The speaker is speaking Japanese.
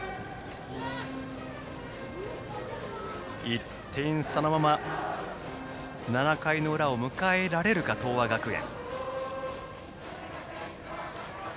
１点差のまま７回の裏を迎えられるか東亜学園。